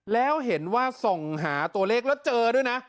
แล้วเห็นว่าส่องหาตัวเลขแล้วเจอด้วยนะ